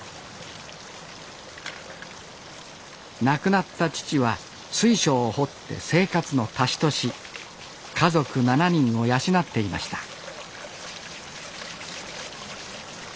亡くなった父は水晶を掘って生活の足しとし家族７人を養っていました